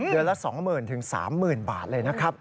เดือนละ๒๐๐๐๓๐๐บาทเลยนะครับ